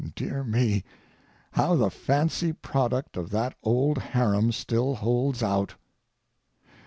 Dear me, how the fancy product of that old harem still holds out!